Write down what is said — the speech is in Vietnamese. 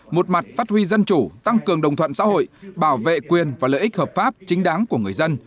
một mặt phát huy dân chủ tăng cường đồng thuận xã hội bảo vệ quyền và lợi ích hợp pháp chính đáng của người dân